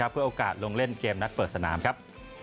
เพื่อโอกาสลงเล่นเกมนัดเปิดสนามครับ